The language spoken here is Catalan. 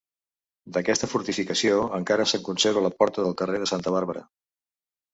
D'aquesta fortificació encara se'n conserva la porta del carrer de Santa Bàrbara.